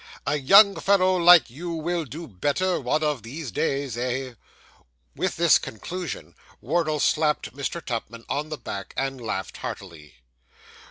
A young fellow like you will do better one of these days, eh?' With this conclusion, Wardle slapped Mr. Tupman on the back, and laughed heartily.